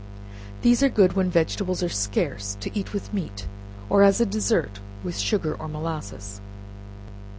These are good when vegetables are scarce, to eat with meat, or as a dessert with sugar or molasses.